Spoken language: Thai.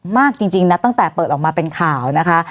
มากจริงนะตั้งแต่เปิดออกมาเป็นข่าวนะคะ